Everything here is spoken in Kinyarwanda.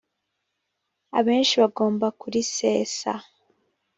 abenshi bagomba kurisesa